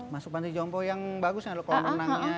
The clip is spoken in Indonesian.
masuk panti jompo yang bagus yang ada kolam renangnya